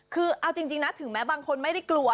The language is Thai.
คือเอาจริงนะถึงแม้บางคนไม่ได้กลัว